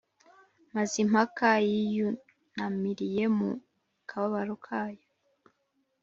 mazimpaka yiyunamiriye mu kababaro kayo;